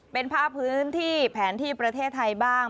เป็นภาพพื้นที่แผนที่ประเทศไทยบ้าง